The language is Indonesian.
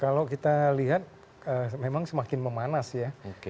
kalau kita lihat memang semakin memanas ya